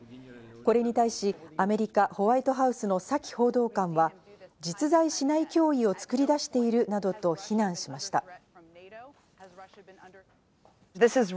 これに対し、アメリカ・ホワイトハウスのサキ報道官は実在しない脅威を作り出しているなどと非難しました。